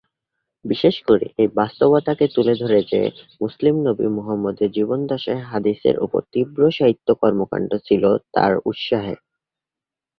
বিশেষ করে এই বাস্তবতাকে তুলে ধরে যে মুসলিম নবী মুহাম্মদের জীবদ্দশায় হাদিসের উপর তীব্র সাহিত্য কর্মকাণ্ড ছিল তার উৎসাহে।